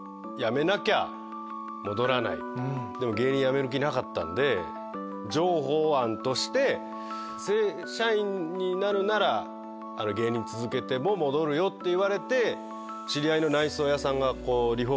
でも芸人辞める気なかったんで譲歩案として「正社員になるなら芸人続けても戻るよ」って言われて。